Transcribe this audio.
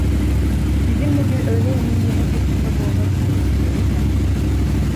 Bizimle bir öğle yemeği yemek lütfunda bulunursunuz, değil mi?